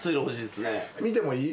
見てもいい？